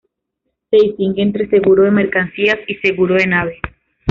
Se distingue entre "seguro de mercancías y seguro de nave.